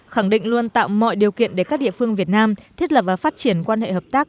khẳng định luôn tạo mọi điều kiện để các địa phương việt nam thiết lập và phát triển quan hệ hợp tác